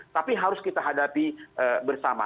tapi harus kita hadapi bersama